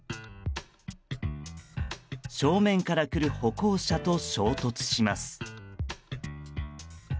正面から来る歩行者と衝突します。